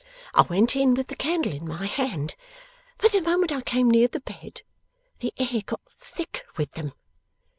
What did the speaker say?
I went in with the candle in my hand; but the moment I came near the bed, the air got thick with them.